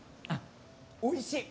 おいしい。